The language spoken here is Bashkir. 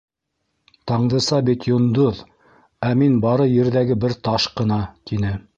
Таңдыса бит - йондоҙ, ә мин бары ерҙәге бер таш ҡына, тине.